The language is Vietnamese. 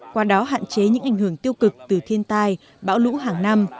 qua đó hạn chế những ảnh hưởng tiêu cực từ thiên tai bão lũ hàng năm